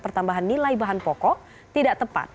pertambahan nilai bahan pokok tidak tepat